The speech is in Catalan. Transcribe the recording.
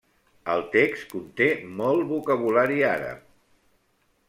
El text conté molt vocabulari àrab.